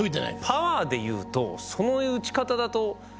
パワーでいうとそういう打ち方だと。